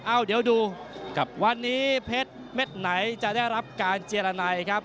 เอ้าเดี๋ยวดูวันนี้เพชรเม็ดไหนจะได้รับการเจรนัยครับ